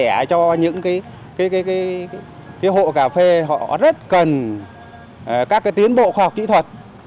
chia sẻ cho những hộ cà phê họ rất cần các tiến bộ khoa học kỹ thuật